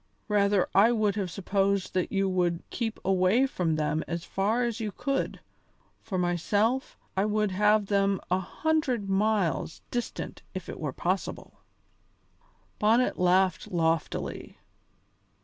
"Rather I would have supposed that you would keep away from them as far as you could. For myself, I would have them a hundred miles distant if it were possible." Bonnet laughed loftily.